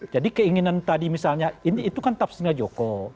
jadi keinginan tadi misalnya ini itu kan tafsirnya joko